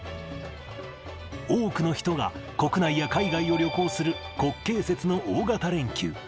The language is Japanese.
多くの人が国内や海外を旅行する国慶節の大型連休。